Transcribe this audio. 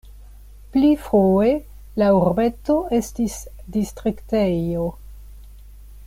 Pli frue la urbeto estis distriktejo.